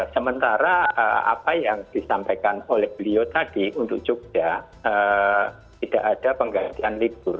sementara apa yang disampaikan oleh beliau tadi untuk jogja tidak ada penggantian libur